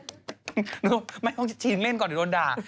หนูไม่ต้องจีนเล่นก่อนเดี๋ยวโดนด่า